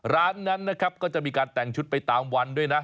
ร้านนั้นนะครับก็จะมีการแต่งชุดไปตามวันด้วยนะ